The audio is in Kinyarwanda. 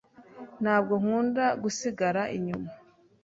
Ntabwo nkunda gusigara inyuma